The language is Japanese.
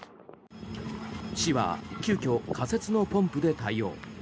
市は急きょ仮設のポンプで対応。